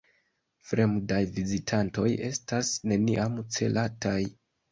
Fremdaj vizitantoj estas neniam celataj.